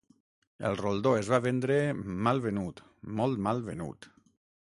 El roldó es va vendre, mal venut, molt mal venut